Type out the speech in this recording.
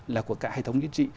là của cả hệ thống chính trị